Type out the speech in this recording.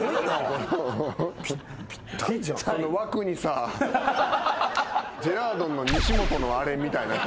枠にさジェラードンの西本のあれみたいな。